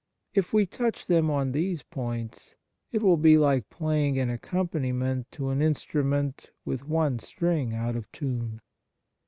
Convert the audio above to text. If we touch them on these points, it will be like playing an accompaniment to an instru ment with one string out of tune.